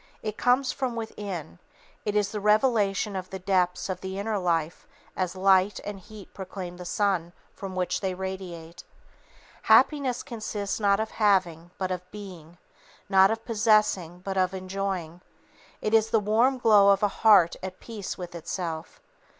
It comes from within; it is the revelation of the depths of the inner life as light and heat proclaim the sun from which they radiate. Happiness consists not of having, but of being; not of possessing, but of enjoying. It is the warm glow of a heart at peace with itself.